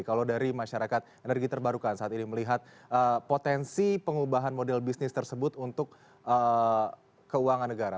kalau dari masyarakat energi terbarukan saat ini melihat potensi pengubahan model bisnis tersebut untuk keuangan negara